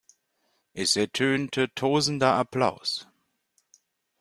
Es ertönte tosender Applaus.